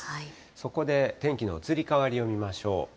そこで天気の移り変わりを見ましょう。